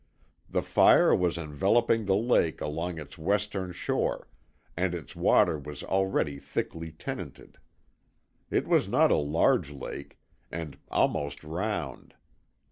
The fire was enveloping the lake along its western shore, and its water was already thickly tenanted. It was not a large lake, and almost round.